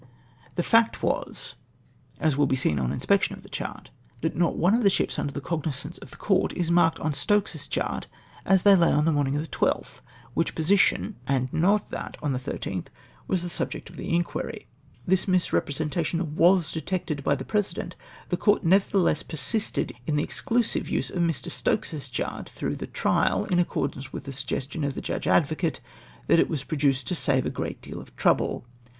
The flict was, as wiU be seen on inspection of the chart, that not one of the sliips mider tlie cognizance of the court is marked on Stokes's chart as they lay on the morning of the 12th, which position, and not that on the loth, was the subject of inquiry. Though as abeady said this misrepresentation was detected by the Pre sident, the comt nevertheless persisted in the exclusive use of Mr. Stokes's chart throughout the trial, in ac cordance with the suggestion of the Judge Advocate, that it was produced to " save a great deal of trouble.'''